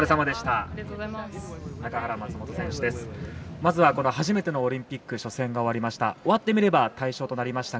まずは、初めてのオリンピック初戦が終わりました。